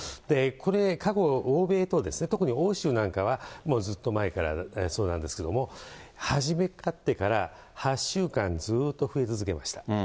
これ過去、欧米と、特に欧州なんかは、もうずっと前からそうなんですけれども、始めたってから、８週間ずっと増え続けました。